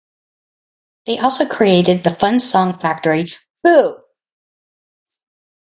They also created "The Fun Song Factory", "Boo!